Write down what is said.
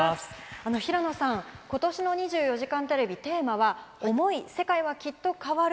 平野さん、ことしの２４時間テレビ、テーマは、想い世界は、きっと変わる。